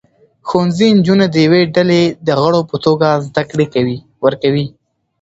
ښوونځي نجونې د یوې ډلې د غړو په توګه زده کړې ورکوي.